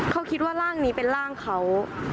เขาคิดว่าร่างนี้เป็นร่างเขา